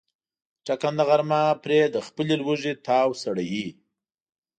ټکنده غرمه پرې د خپلې لوږې تاو سړوي.